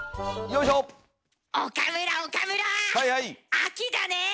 秋だねえ。